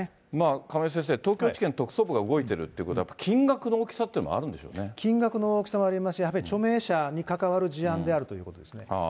亀井先生、東京地検特捜部が動いてるということは、金額の大きさというのが金額の大きさもありますし、やっぱり著名者に関わる事案であるということですね。